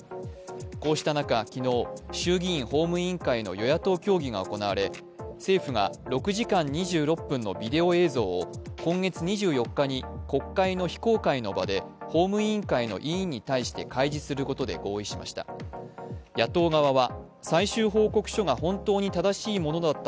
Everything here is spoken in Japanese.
こうした中、昨日、衆議院法務委員会の与野党協議が行われ政府が６時間２６分のビデオ映像を今月２４日に国会の非公開の場で法務委員会の委員のに対して開示することで合意しました。